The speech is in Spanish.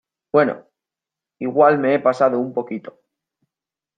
bueno, igual me he pasado un poquito.